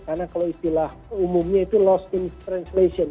karena kalau istilah umumnya itu lost in translation